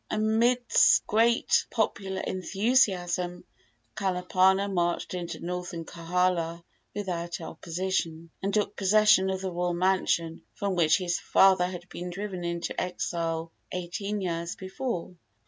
Amidst great popular enthusiasm Kalapana marched into Northern Kohala without opposition, and took possession of the royal mansion from which his father had been driven into exile eighteen years before.